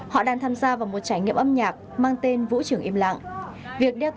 họ đang tham gia vào một trải nghiệm âm nhạc